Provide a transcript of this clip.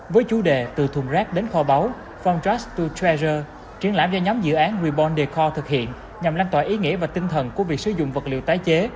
với chủ đề từ thùng rác đến kho báu from trust to treasure triển lãm do nhóm dự án reborn decor thực hiện nhằm lan tỏa ý nghĩa và tinh thần của việc sử dụng vật liệu tái chế